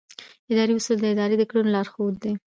اداري اصول د ادارې د کړنو لارښود دي.